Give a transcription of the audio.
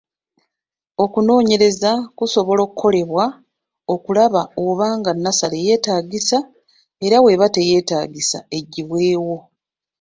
Okunoonyereza kusobola okukolebwa okulaba oba nga nnasale yeetaagisa era bw'eba teyeetaagisa eggyibwewo.